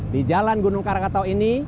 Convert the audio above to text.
di jalan gunung krakatau ini